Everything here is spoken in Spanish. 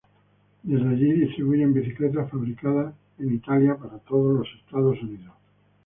Desde allí distribuyen bicicletas fabricadas en Italia para todo Estados Unidos.